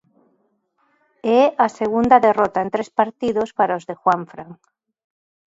É a segunda derrota en tres partidos para os de Juanfran.